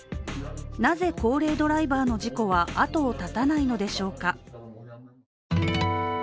なぜ高齢ドライバーの事故は後を絶たないのでしょうか。